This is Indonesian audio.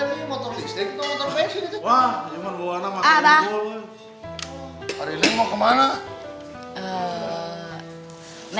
hari ini mau kemana